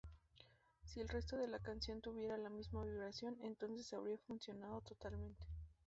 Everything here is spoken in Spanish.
Si el resto de la canción tuviera la misma vibración, entonces habría funcionado totalmente.